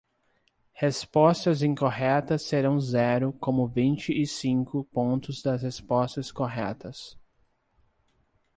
Respostas incorretas serão zero como vinte e cinco pontos das respostas corretas.